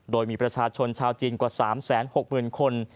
โดยมีประชาชนชาวจีนกว่า๓๖๐๐๐คน